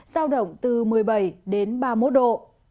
giao động từ một mươi bảy đến ba mươi một độ